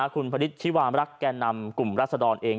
คุณพระฤทธิ์ชิวามรักแก่นำกลุ่มรัฐสดรเอง